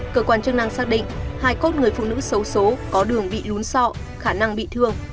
cơ quan chương năng xác định hải cốt người phụ nữ xấu xố có đường bị lún so khả năng bị thương